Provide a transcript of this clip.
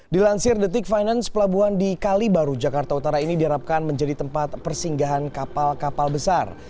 dilansir the tick finance pelabuhan di kalibaru jakarta utara ini diharapkan menjadi tempat persinggahan kapal kapal besar